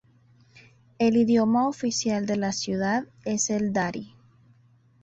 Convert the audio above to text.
El idioma oficial de la ciudad es el dari.